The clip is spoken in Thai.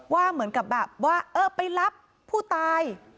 ว่าเหมือนกับแบบว่าเออไปรับผู้ตาย